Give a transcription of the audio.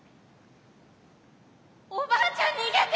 おばあちゃん逃げて！